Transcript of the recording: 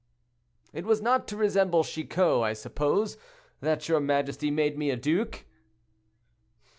"It was not to resemble Chicot, I suppose, that your majesty made me a duke?"